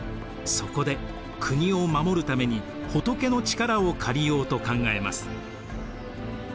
そこで国を護るために仏の力を借りようと考えます。